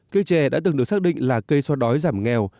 cây trẻ đã từng được xác định là cây xoa đói giảm nghèo